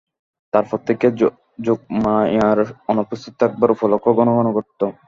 তার পর থেকে যোগমায়ার অনুপস্থিত থাকবার উপলক্ষ ঘন ঘন ঘটত।